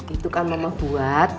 itu kan mama buat